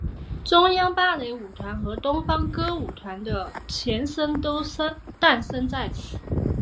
中央芭蕾舞团和东方歌舞团的前身都诞生在此。